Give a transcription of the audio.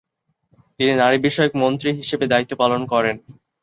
তিনি নারী বিষয়ক মন্ত্রী হিসেবে দায়িত্ব পালন করেন।